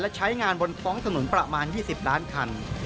และใช้งานบนท้องถนนประมาณ๒๐ล้านคัน